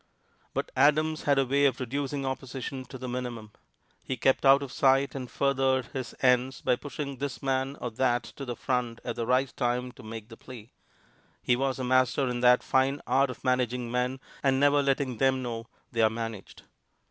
But Adams had a way of reducing opposition to the minimum. He kept out of sight and furthered his ends by pushing this man or that to the front at the right time to make the plea. He was a master in that fine art of managing men and never letting them know they are managed.